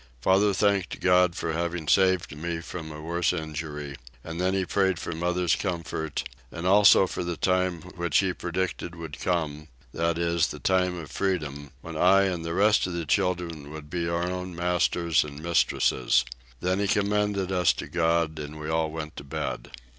Father thanked God for having saved me from a worse injury, and then he prayed for mother's comfort, and also for the time which he predicted would come, that is, the time of freedom, when I and the rest of the children would be our own masters and mistresses; then he commended us to God, and we all went to bed.